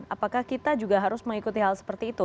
apakah kita juga harus mengikuti hal seperti itu